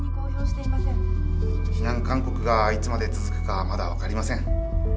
避難勧告がいつまで続くかまだ分かりません。